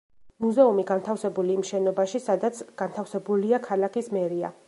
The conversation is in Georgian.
მუზეუმი განთავსებული იმ შენობაში, სადაც განთავსებულია ქალაქის მერია.